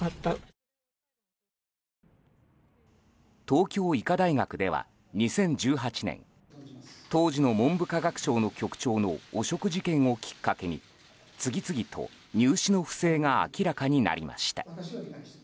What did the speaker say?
東京医科大学では２０１８年当時の文部科学省の局長の汚職事件をきっかけに次々と入試の不正が明らかになりました。